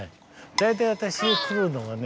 大体私が来るのがね